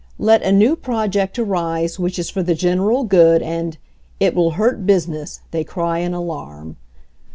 Let a new project arise "THE GREATEST GOOD" 143 which is for the general good and "it will hurt business !" they cry in alarm.